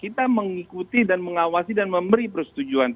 kita mengikuti dan mengawasi dan memberi persetujuan